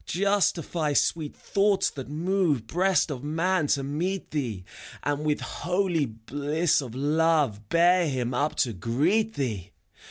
Justify sweet thoughts that move Breast of man to meet thee. And with holy bliss of love Bear him up to greet thee